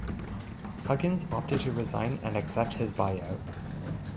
Huggins opted to resign and accept his buyout.